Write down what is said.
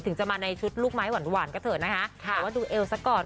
ถึงจะมาในชุดลูกไม้หวานก็เถอะนะคะแต่ว่าดูเอวซะก่อน